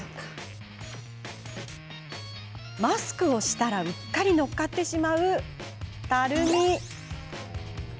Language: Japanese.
マスクをしたら、うっかりのっかってしまう、たるみ。